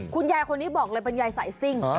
คุณยายคนนี้บอกเลยว่าคุณยายใส่สิ่ง